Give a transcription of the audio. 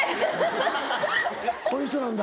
こういう人なんだ。